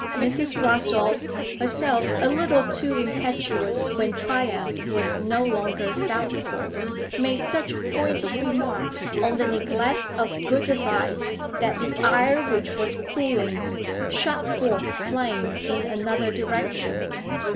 Mrs. Rossall, herself a little too impetuous when triumph was no longer doubtful, made such pointed remarks on the neglect of good advice that the ire which was cooling shot forth flame in another direction.